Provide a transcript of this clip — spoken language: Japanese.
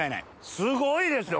すごいですよ。